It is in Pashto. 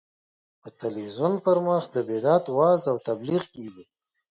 په تلویزیون پر مخ د بدعت وعظ او تبلیغ کېږي.